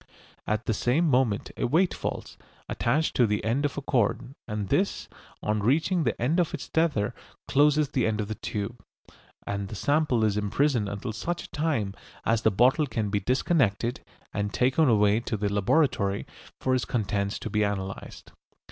At the same moment a weight falls, attached to the end of a cord, and this, on reaching the end of its tether, closes the end of the tube, and the sample is imprisoned until such time as the bottle can be disconnected and taken away to the laboratory for its contents to be analysed.